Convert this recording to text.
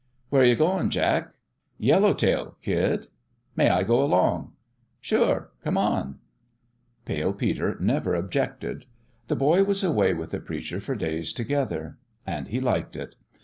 "Where you going, Jack?" Yellow Tail, kid." "May I go along?" "Sure! Come on !" Pale Peter never objected. The boy was away with the preacher for days together. And he liked it.